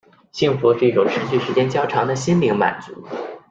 幸福是一种持续时间较长的心灵的满足。